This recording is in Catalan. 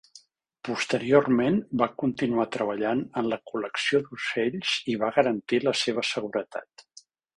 Posteriorment, va continuar treballant en la col·lecció d'ocells i va garantir la seva seguretat.